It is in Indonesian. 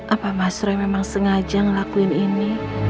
apa mas roy memang sengaja ngelakuin ini